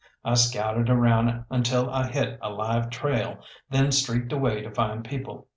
I scouted around until I hit a live trail, then streaked away to find people.